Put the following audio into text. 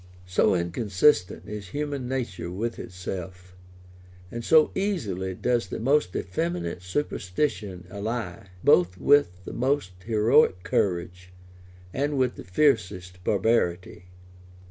So inconsistent is human nature with itself! and so easily does the most effeminate superstition ally, both with the most heroic courage and with the fiercest barbarity!